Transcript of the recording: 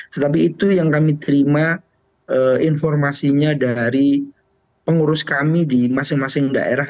tetapi itu yang kami terima informasinya dari pengurus kami di masing masing daerah